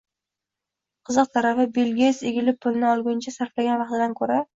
Qiziq tarafi, Bill Geyts egilib, pulni olgungacha sarflagan vaqtidan ko‘ra